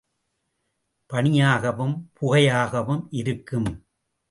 பனியாகவும் புகையாகவும் இருக்கும்.